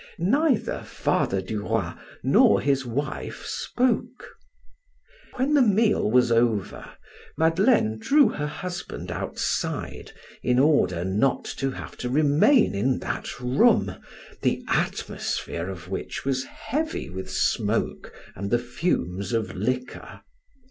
Neither Father Duroy nor his wife spoke. When the meal was over, Madeleine drew her husband outside in order not to have to remain in that room, the atmosphere of which was heavy with smoke and the fumes of liquor.